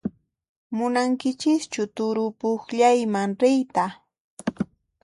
Munankichischu turupukllayman riyta?